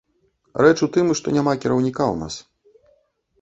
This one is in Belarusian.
Рэч у тым, што няма кіраўніка ў нас.